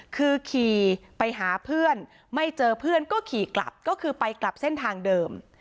คือขี่ไปหาเพื่อนไม่เจอเพื่อนก็ขี่กลับก็คือไปกลับเส้นทางเดิม